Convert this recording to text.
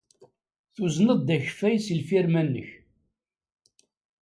Tuzneḍ-d akeffay seg lfirma-nnek.